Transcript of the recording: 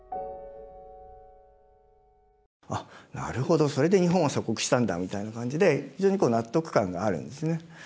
あっなるほどそれで日本は鎖国したんだみたいな感じで非常に納得感があるんですね。